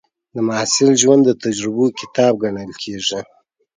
د محصل ژوند د تجربو کتاب ګڼل کېږي.